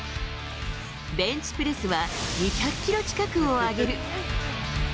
ベンチプレスは２００キロ近くを挙げる。